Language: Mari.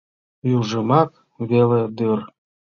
— Южымак веле дыр...